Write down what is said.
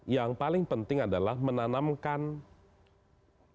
yang paling penting adalah menanamkan energi